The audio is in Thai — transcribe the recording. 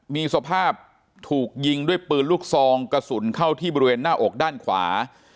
มีสภาพถูกยิงด้วยปืนลูกซองกระสุนเข้าที่บริเวณหน้าอกด้านขวา